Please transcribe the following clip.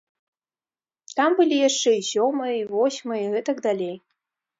Там былі яшчэ і сёмае, і восьмае, і гэтак далей.